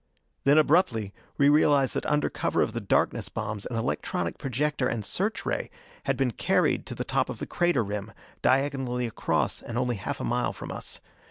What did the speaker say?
Then abruptly we realized that under cover of darkness bombs an electronic projector and search ray had been carried to the top of the crater rim, diagonally across and only half a mile from us.